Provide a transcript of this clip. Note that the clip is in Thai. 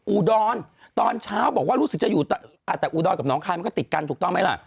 อุดรตอนเช้าบอกว่ารู้สึกจะอยู่แต่อุดรกับน้องคายมันก็ติดกันถูกต้องไหมล่ะ